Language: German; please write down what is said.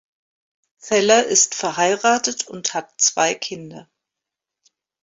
Zeller ist verheiratet und hat zwei Kinder.